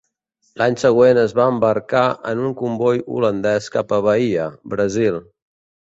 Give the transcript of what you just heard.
L'any següent es va embarcar en un comboi holandès cap a Bahia, Brasil.